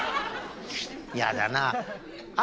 嫌だなあ。